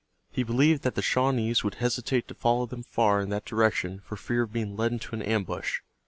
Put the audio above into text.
He believed that the Shawnees would hesitate to follow them far in that direction for fear of being led into an ambush.